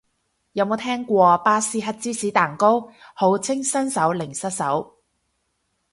有冇聽過巴斯克芝士蛋糕，號稱新手零失手